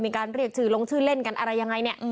มีการเรียกชื่อลงชื่อเล่นกันอะไรยังไงเนี่ย